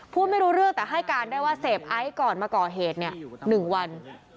พูดไม่รู้เรื่องแต่ให้การได้ว่าเสพไอซ์ก่อนมาก่อเหตุ๑วัน